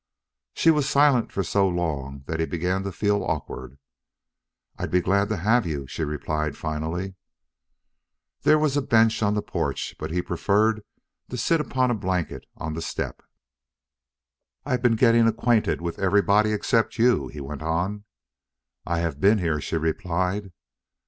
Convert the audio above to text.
She was silent for so long that he began to feel awkward. "I'd be glad to have you," she replied, finally. There was a bench on the porch, but he preferred to sit upon a blanket on the step. "I've been getting acquainted with everybody except you," he went on. "I have been here," she replied.